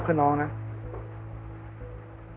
แล้วลูกก็จะอยู่ด้วยแม่